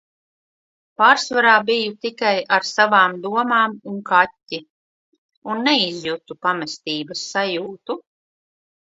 Pārsvarā biju tikai ar savām domām un kaķi. Un neizjutu pamestības sajūtu.